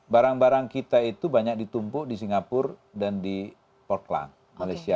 barang barang kita itu banyak ditumpuk di singapura dan di portland malaysia